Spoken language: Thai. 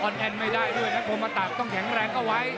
ยังไม่ได้ด้วยนะพวกเขามาตับต้องแข็งแรงเข้าไว้